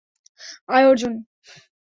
আয়, অর্জুন।